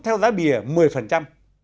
theo giá bìa một mươi